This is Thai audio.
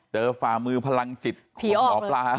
ฝ่ามือพลังจิตของหมอปลา